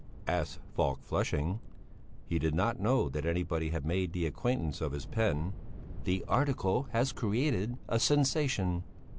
asked Falk flushing; he did not know that anybody had made the acquaintance of his pen. "The article has created a sensation."